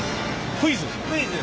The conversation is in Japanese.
クイズ。